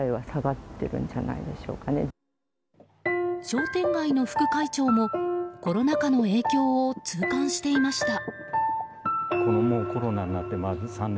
商店街の副会長もコロナ禍の影響を痛感していました。